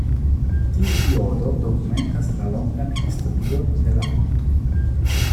Tiu ĉi odo dokumentas la longan historion de la fontoj.